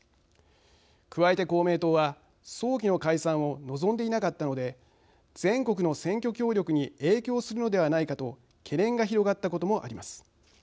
加えて、公明党は早期の解散を望んでいなかったので全国の選挙協力に影響するのではないかと懸念が広がったこともあります。